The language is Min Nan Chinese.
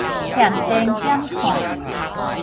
儉電減碳